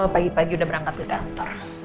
pagi pagi udah berangkat ke kantor